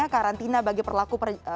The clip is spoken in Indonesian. karantina bagi perlaku